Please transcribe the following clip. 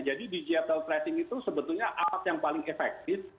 jadi digital tracing itu sebetulnya alat yang paling efektif